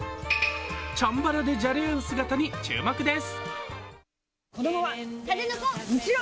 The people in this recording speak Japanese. チャンバラでじゃれ合う姿に注目です。